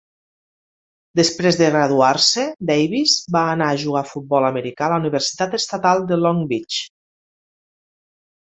Després de graduar-se, Davis va anar a jugar a futbol americà a la Universitat Estatal de Long Beach.